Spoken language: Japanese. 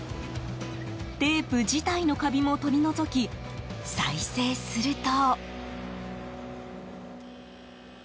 テープ自体のカビも取り除き再生すると。